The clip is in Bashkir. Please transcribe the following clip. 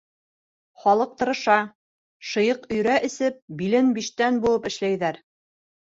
Халыҡ тырыша, шыйыҡ өйрә эсеп, билен биштән быуып эшләйҙәр.